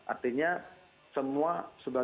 artinya semua sebagainya